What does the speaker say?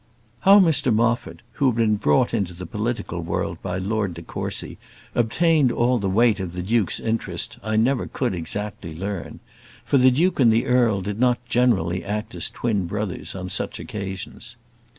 How Mr Moffat, who had been brought into the political world by Lord de Courcy, obtained all the weight of the duke's interest I never could exactly learn. For the duke and the earl did not generally act as twin brothers on such occasions.